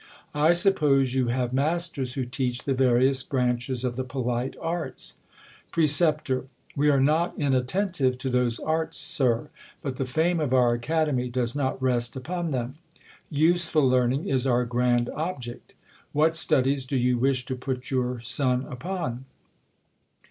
I suppose you have masters who teach the various branches of the polite arts. Precep. We are not inattentive to those arts. Sir; but the fame of our Academy does not rest upon them. Useful learning is our grand object. What studies do you wish to put your son upon